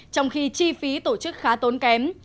trong khi chi phí tổ chức khá tốn kém